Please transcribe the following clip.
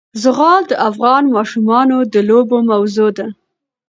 زغال د افغان ماشومانو د لوبو موضوع ده.